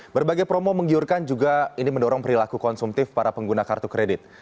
berbagai promo menggiurkan juga ini mendorong perilaku konsumtif para pengguna kartu kredit